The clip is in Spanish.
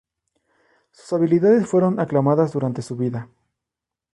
Su habilidades fueron aclamadas durante su vida.